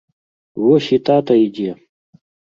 Вось і тата ідзе!